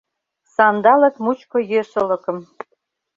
Сандалык мучко йӧсылыкым